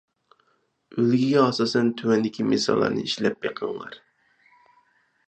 ئۈلگىگە ئاساسەن تۆۋەندىكى مىساللارنى ئىشلەپ بېقىڭلار.